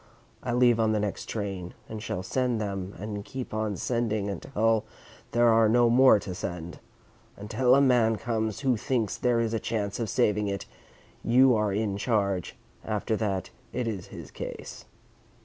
I leave on the next train, and shall send them and keep on sending until there are no more to send. Until a man comes who thinks there is a chance of saving it, you are in charge after that, it is his case."